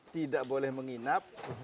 tidak boleh menginap